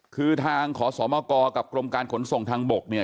คือทางขอสมกกับกรมการขนส่งทางบกเนี่ย